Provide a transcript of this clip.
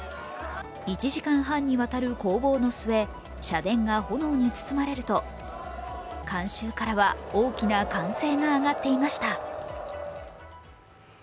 １時間半にわたる攻防の末、社殿が炎に包まれると観衆からは大きな歓声が上がっていました。